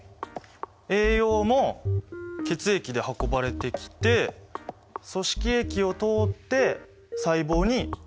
栄養も血液で運ばれてきて組織液を通って細胞に送られる。